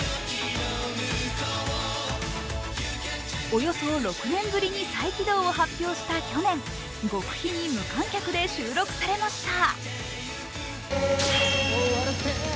およそ６年ぶりに再起動を発表した去年、極秘に無観客で収録されました。